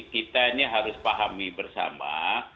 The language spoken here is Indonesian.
kita ini harus pahami bersama